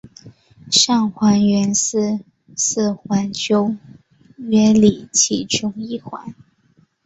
上环原是四环九约里其中一环。